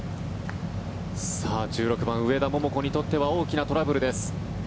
１６番、上田桃子にとっては大きなトラブルです。